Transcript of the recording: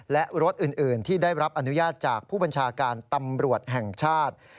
และรถอื่นที่ได้รับอนุญาตจากผู้บัญชาการตำรวจแห่งชาติ